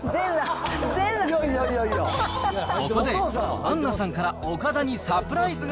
ここで、アンナさんから岡田にサプライズが。